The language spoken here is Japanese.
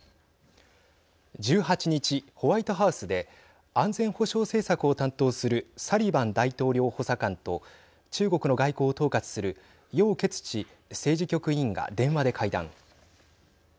１８日、ホワイトハウスで安全保障政策を担当するサリバン大統領補佐官と中国の外交を統括する楊潔チ政治局員が電話で会談。